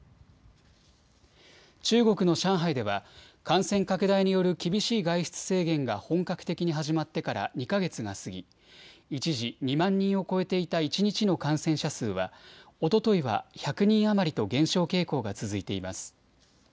中国の上海では感染拡大による厳しい外出制限が本格的に始まってから２か月が過ぎ一時、２万人を超えていた一日の感染者数はおとといは１００人余りと減少傾向が続いています。